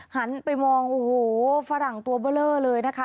หันไปมองโอ้โหฝรั่งตัวเบอร์เลอร์เลยนะคะ